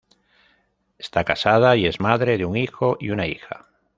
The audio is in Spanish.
Está casada y es madre de un hijo y una hija.